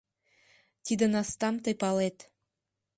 — Тиде настам тый палет.